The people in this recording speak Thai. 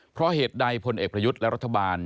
เพราะเหตุใดพลเอกประยุทธ์และรัฐบาล